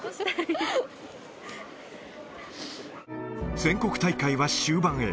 全国大会は終盤へ。